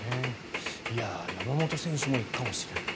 山本選手も行くかもしれない。